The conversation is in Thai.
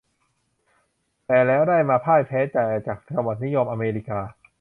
แต่แล้วได้มาพ่ายแพ้แก่จักรวรรดินิยมอเมริกา